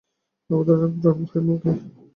আমার অনেক ব্রণ হয় মুখে।